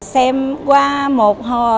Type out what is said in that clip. xem qua một hồ